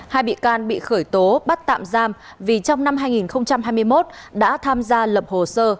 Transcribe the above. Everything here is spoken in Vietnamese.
hai bị can bị khởi tố bắt tạm giam vì trong năm hai nghìn hai mươi một đã tham gia lập hồ sơ